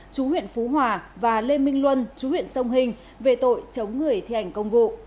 chú huyện phú hòa và lê minh luân chú huyện sông hình về tội chống người thi hành công vụ